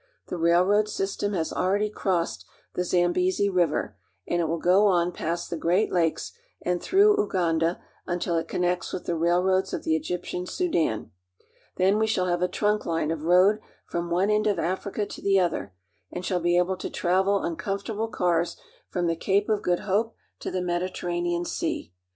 The railroad system has already crossed the Zambezi River, and it wiil go on past the great lakes and through Uganda until it connects with the rail _roads of the Egyptian Sudan. Then we shall have a trunk ^ne of road from one end of Africa to the other, and ihall be able to travel on comfortable cars from the Cape f Good Hope to the Mediterranean Sea.